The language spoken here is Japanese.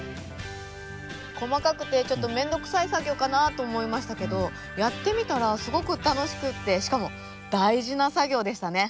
細かくてちょっと面倒くさい作業かなと思いましたけどやってみたらすごく楽しくってしかも大事な作業でしたね。